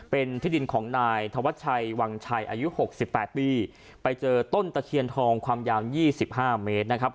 เป็นที่ดินของนายธวัชชัยวังชัยอายุ๖๘ปีไปเจอต้นตะเคียนทองความยาว๒๕เมตรนะครับ